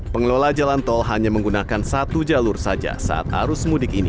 pengelola jalan tol hanya menggunakan satu jalur saja saat arus mudik ini